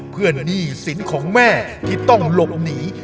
หนี้สินของแม่ที่ต้องหลบหนี